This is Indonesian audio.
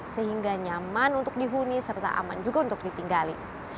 sehingga nyaman untuk dihuni serta aman juga untuk ditinggali